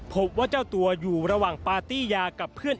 พบว่าเจ้าตัวอยู่ระหว่างปาร์ตี้ยากับเพื่อน